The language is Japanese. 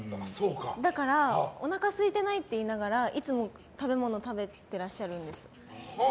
だから、おなかすいてないって言いながらいつも食べ物食べていらっしゃるんです。